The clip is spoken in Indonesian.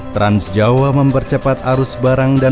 transjawa mempercepat arus barang dan